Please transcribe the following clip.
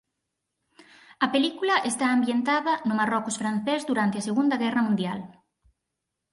A película está ambientada no Marrocos francés durante a segunda guerra mundial.